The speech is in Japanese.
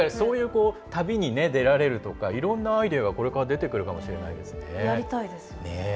旅に出られるとかいろんなアイデアがこれから出てくるかもしれないですね。